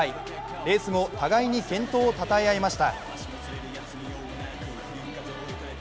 レース後、互いに健闘をたたえ合いました。